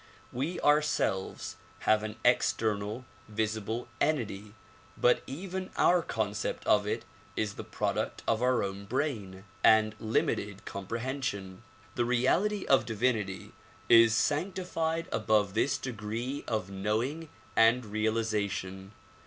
We ourselves have an external, visible entity but even our concept of it is the product of our own brain and limited comprehension. The reality of divinity is sanctified above this degree of knowing and realization.